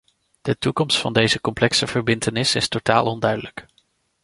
De toekomst van deze complexe verbintenis is totaal onduidelijk.